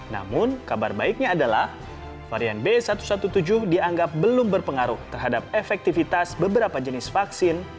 namun kabar baiknya adalah varian b satu satu tujuh dianggap belum berpengaruh terhadap efektivitas beberapa jenis vaksin